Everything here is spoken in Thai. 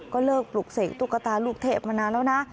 ก็เลิกปลุกเสกตุ๊กตาลูกเทพมานานแล้วนะ